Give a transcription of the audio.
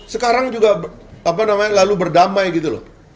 sekarang juga lalu berdamai gitu loh